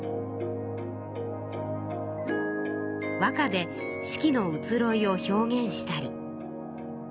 和歌で四季の移ろいを表現したり。